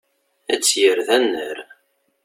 Ad tt-yerr d annar.